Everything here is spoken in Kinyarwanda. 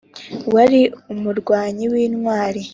Wari umurwanyi w intwari